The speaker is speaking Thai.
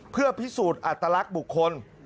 เพื่อพิสูจน์อัตลักษณ์บุคคล